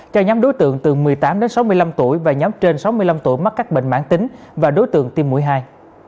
cho nhóm đối tượng từ một mươi tám đến sáu mươi năm tuổi và nhóm trên sáu mươi năm tuổi mắc các bệnh mãn tính và đối tượng tiêm mũi hai